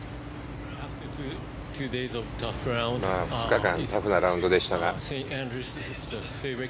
２日間タフなラウンドでしたが。